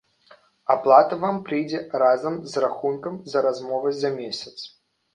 Аплата вам прыйдзе разам з рахункам за размовы за месяц.